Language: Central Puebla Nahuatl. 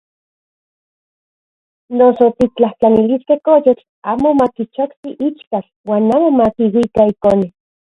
Noso tiktlajtlaniliskej koyotl amo makichokti ichkatl uan amo makiuika ikone.